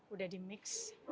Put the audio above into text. udah di mix